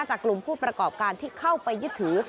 จากกลุ่มผู้ประกอบการที่เข้าไปยึดถือ